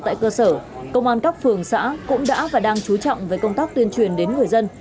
tại cơ sở công an các phường xã cũng đã và đang chú trọng với công tác tuyên truyền đến người dân